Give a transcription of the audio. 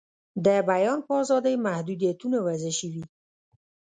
د بیان په آزادۍ محدویتونه وضع شوي.